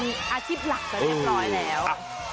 มีอาชีพหลักไปเรียบร้อยแล้ว